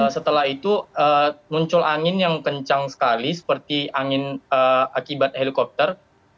setelah itu muncul angin yang kencang sekali seperti angin akibat helikopter